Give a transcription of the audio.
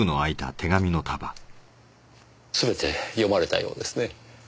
すべて読まれたようですね。